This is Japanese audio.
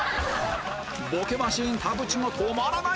ボケマシーン田渕が止まらない！